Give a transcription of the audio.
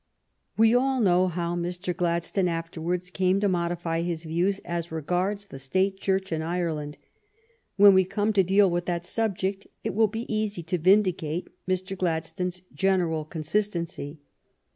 We all know how Mr. Gladstone afterwards came to modify his views as regards the State Church in Ireland. When we come to deal with that subject, it will be easy to vindicate Mr. Gladstone's general consistency.